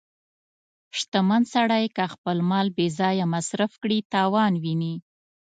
• شتمن سړی که خپل مال بې ځایه مصرف کړي، تاوان ویني.